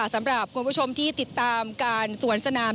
สำหรับคุณผู้ชมที่ติดตามการสวนสนาม